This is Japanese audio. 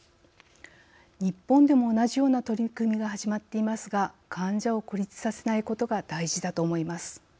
日本でも同じような取り組みが始まっていますが患者を孤立させないことが大事だと思います。